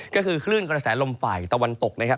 ก็คือคลื่นกระแสลมฝ่ายตะวันตกนะครับ